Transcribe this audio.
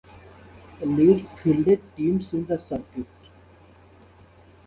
Lead fielded teams in the circuit.